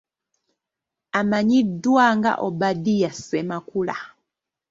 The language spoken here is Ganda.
Amanyiddwa nga Obadia Ssemakula.